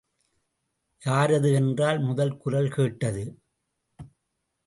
யாரது என்று முதல் குரல் கேட்டது.